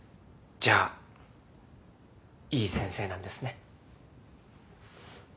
じゃあいい先生なんですね。